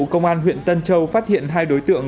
công an huyện tân châu phát hiện hai đối tượng